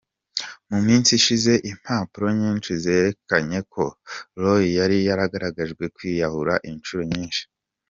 mu misi iheze, impapuro nyinshi zarerekanye ko Roy yari yaragerageje kwiyahura incuro nyinshi.